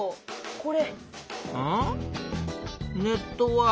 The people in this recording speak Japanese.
これ。